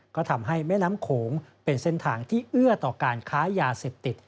ก็ทำให้แม่น้ำโขงเป็นเส้นทางที่เอื้อต่อการค้ายาเสพติด